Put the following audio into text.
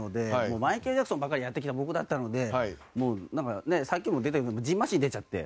マイケル・ジャクソンばかりやってきた僕だったのでさっきも出てたけどじんましん出ちゃって。